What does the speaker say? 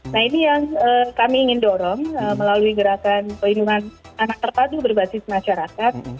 nah ini yang kami ingin dorong melalui gerakan pelindungan anak terpadu berbasis masyarakat